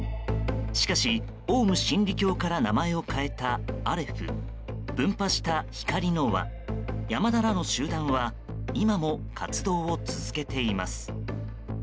しかし、オウム真理教から名前を変えたアレフ分派した、ひかりの輪山田らの集団は今も活動を続けています。